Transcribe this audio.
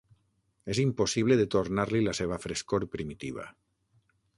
És impossible de tornar-li la seva frescor primitiva.